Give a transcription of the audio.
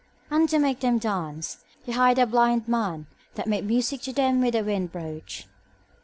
And, to make them dance, he hired a blind man that made music to them with a wind broach.